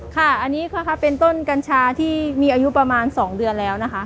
ค่ะอันนี้ก็เป็นต้นกัญชาที่มีอายุประมาณ๒เดือนแล้วนะคะ